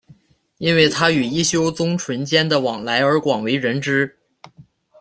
因为他与一休宗纯间的往来而广为人知。